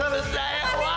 eh jangan ayolah